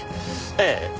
ええ。